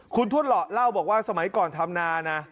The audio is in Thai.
คุณทวดเหลาะเล่าบอกว่าสมัยก่อนทำนานะ